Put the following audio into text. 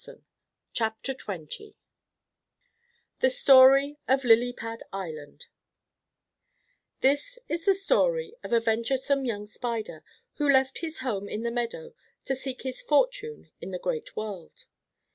THE STORY OF LILY PAD ISLAND This is the story of a venturesome young Spider, who left his home in the meadow to seek his fortune in the great world.